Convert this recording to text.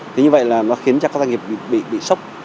thì như vậy là nó khiến cho các doanh nghiệp bị sốc